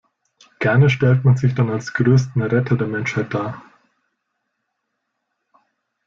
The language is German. Gerne stellt man sich dann als größten Retter der Menschheit dar.